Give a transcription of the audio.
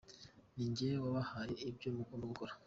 Ni nge wabahaye ibyo bagomba gukora.